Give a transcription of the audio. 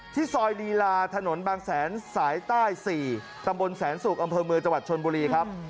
ซอยลีลาถนนบางแสนสายใต้๔ตำบลแสนสุกอำเภอเมืองจังหวัดชนบุรีครับ